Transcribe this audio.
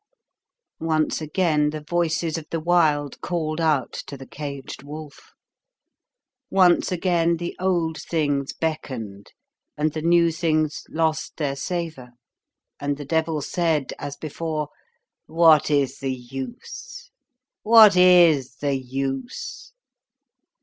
Once again the voices of the Wild called out to the Caged Wolf; once again, the old things beckoned and the new things lost their savour and the Devil said, as before, "What is the use? What is the use?"